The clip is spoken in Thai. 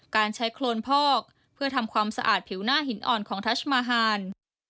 การใช้โครนพอกเพื่อทำความสะอาดผิวหน้าหินอ่อนของทัชมาฮาน